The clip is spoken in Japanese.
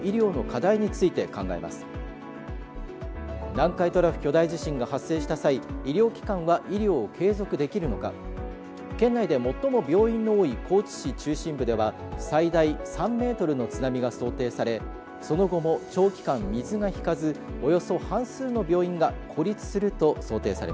南海トラフ巨大地震が発生した際医療機関は医療を継続できるのか県内で最も病院の多い高知市中心部では最大３ｍの津波が想定されその後も長期間水が引かずおよそ半数の病院が孤立すると想定されます。